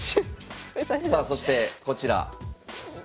さあそしてこちら。